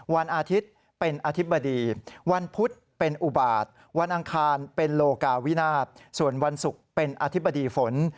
วันอาทิตย์เป็นอธิบดีวันพุธเป็นอุบาทวันอังคารเป็นโลกาวินาศส่วนวันศุกร์เป็นอธิบดีฝน